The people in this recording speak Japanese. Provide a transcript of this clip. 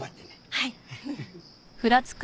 はい。